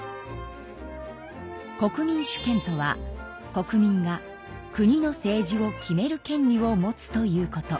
国民主権とは国民が国の政治を決める権利を持つということ。